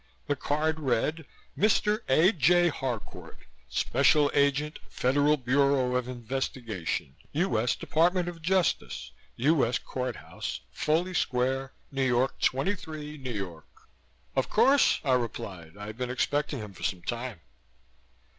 The card read: "Mr. A. J. Harcourt, Special Agent. Federal Bureau of Investigation, U. S. Department of Justice, U. S. Court House, Foley Square, New York 23, N. Y." "Of course," I replied, "I've been expecting him for some time."